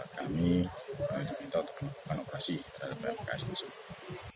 kami diminta untuk melakukan operasi terhadap pmks di sini